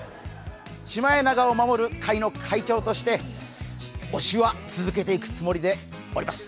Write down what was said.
シマエナガを守る会の会長として推しは続けていくつもりでおります。